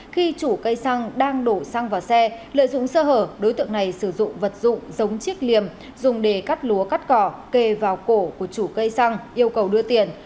khi chủ cây xăng đang đổ xăng vào xe lợi dụng sơ hở đối tượng này sử dụng vật dụng giống chiếc liềm dùng để cắt lúa cắt cỏ kề vào cổ của chủ cây xăng yêu cầu đưa tiền